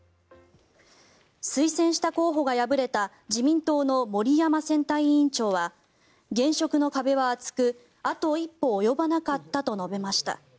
推薦した候補が敗れた自民党の森山選対委員長は現職の壁は厚くあと一歩及ばなかったと述べました。